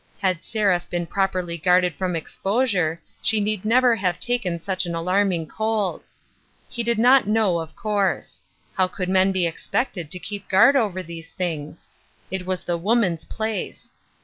Had Seraph been properly guarded from exposure she need never have taken such an alarming cold. He did not know, of course. How could men be expected to keep guard over these things ? It was the woman's place.